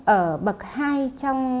ở bậc hai trong